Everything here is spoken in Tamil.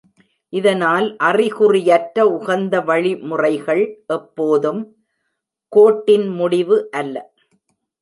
இதனால் அறிகுறியற்ற உகந்த வழிமுறைகள் எப்போதும் "கோட்டின் முடிவு" அல்ல.